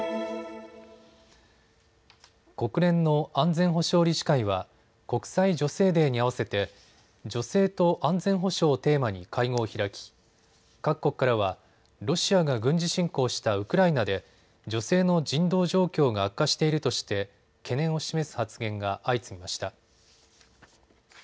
国連の安全保障理事会は国際女性デーに合わせて女性と安全保障をテーマに会合を開き各国からはロシアが軍事侵攻したウクライナで女性の人道状況が悪化しているとして懸念を示す発言が相次ぎました。